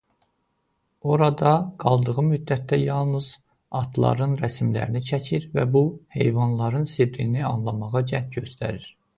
Orada qaldığı müddətdə yalnız atların rəsmlərini çəkir və bu heyvanların sirrini anlamağa cəhd göstərir.